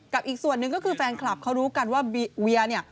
อีกส่วนหนึ่งก็คือแฟนคลับเขารู้กันว่าเวียเนี่ย